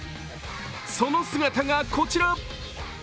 その姿がこちら。